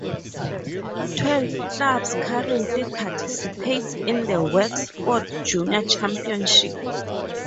Twelve clubs currently participate in the Wexford Junior Championship.